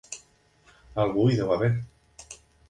Algú hi deu haver!